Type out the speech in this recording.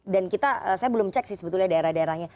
kita saya belum cek sih sebetulnya daerah daerahnya